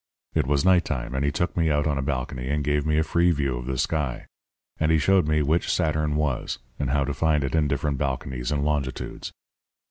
It was night time, and he took me out on a balcony and gave me a free view of the sky. And he showed me which Saturn was, and how to find it in different balconies and longitudes.